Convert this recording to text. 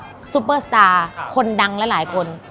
ที่พี่ลองไปดูซุปเปอร์สตาร์คนดังและหลายคน